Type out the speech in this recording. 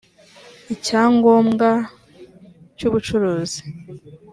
icyangombwa cy ubucuruzi